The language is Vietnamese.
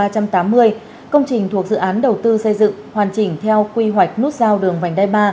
công trình thuộc dự án đầu tư xây dựng hoàn chỉnh theo quy hoạch nút giao đường vành đai ba